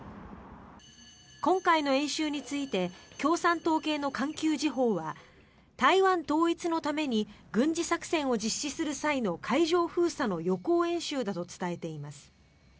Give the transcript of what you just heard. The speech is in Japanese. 今回の演習について共産党系の環球時報は台湾統一のために軍事作戦を実施する際の海上封鎖の予行演習だと伝えています。